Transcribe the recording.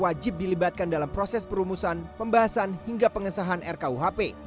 menurut zainal publik wajib dilibatkan dalam proses perumusan pembahasan hingga pengesahan rkuhp